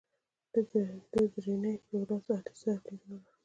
د درېنۍ په ورځ علي سره لیدنه لرم